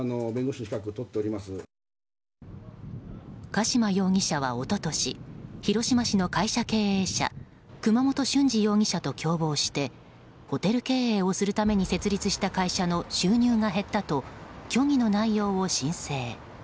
加島容疑者は一昨年広島市の会社経営者熊本俊二容疑者と共謀してホテル経営をするために設立した会社の収入が減ったと虚偽の内容を申請。